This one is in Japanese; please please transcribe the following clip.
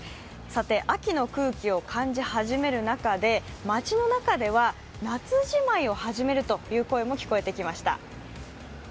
秋の空気を感じ始める中で、街の中では夏じまいを始めるという声も聞こえてきました。